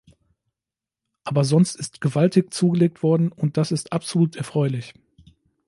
Aber sonst ist gewaltig zugelegt worden, und das ist absolut erfreulich.